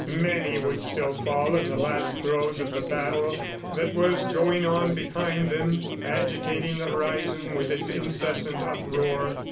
Many would still fall in the last throes of the battle that was going on behind them, agitating the horizon with its incessant uproar.